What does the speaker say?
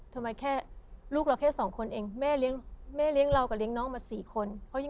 แค่ลูกเราแค่สองคนเองแม่เลี้ยงเรากับเลี้ยงน้องมา๔คน